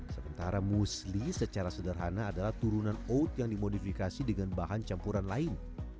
sementara mostly secara sederhana adalah turunan oat yang dimodifikasi dengan bahan campuran lain